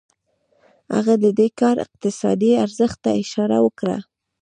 هغه د دې کار اقتصادي ارزښت ته اشاره وکړه